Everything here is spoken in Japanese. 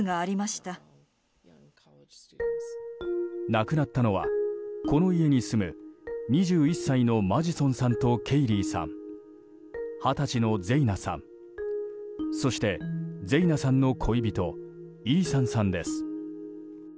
亡くなったのは、この家に住む２１歳のマジソンさんとケイリーさん二十歳のゼイナさん、そしてゼイナさんの恋人イーサンさんです。